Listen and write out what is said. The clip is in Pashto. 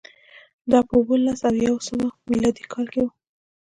دا په اووه لس او یو سوه میلادي کال کې و